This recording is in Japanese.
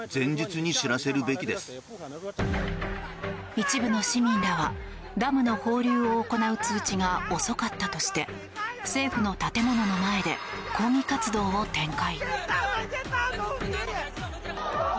一部の市民らはダムの放流を行う通知が遅かったとして政府の建物の前で抗議活動を展開。